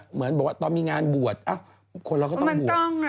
เหมือนบอกว่าตอนมีงานบวชคนเราก็ต้องบวช